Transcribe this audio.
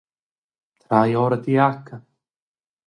Trai ora tia giacca!